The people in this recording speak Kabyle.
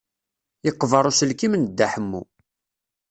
Yeqber uselkim n Dda Ḥemmu.